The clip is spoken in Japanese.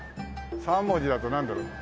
３文字だとなんだろう。